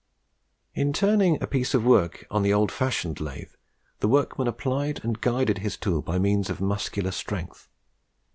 In turning a piece of work on the old fashioned lathe, the workman applied and guided his tool by means of muscular strength.